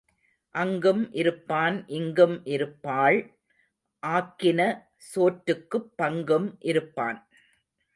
அங்கும் இருப்பான் இங்கும் இருப்பாள் ஆக்கின சோற்றுக்குப் பங்கும் இருப்பான்.